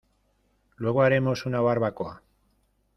Luego haremos una barbacoa.